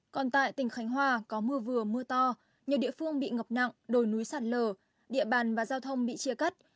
còn tại tỉnh khánh hòa có mưa vừa mưa to nhiều địa phương bị ngập nặng đồi núi sạt lở địa bàn và giao thông bị chia cắt